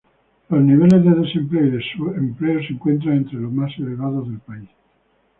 Los niveles de desempleo y subempleo se encuentran entre los más elevados del país.